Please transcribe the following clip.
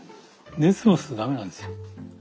熱持つと駄目なんですよ。